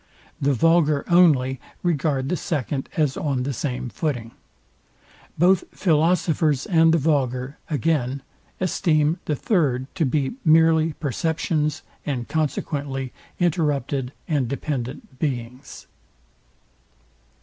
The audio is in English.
The vulgar only regard the second as on the same footing. Both philosophers and the vulgar, again, esteem the third to be merely perceptions and consequently interrupted and dependent beings.